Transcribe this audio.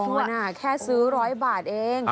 อู้ยได้ลุ้นทองน่ะ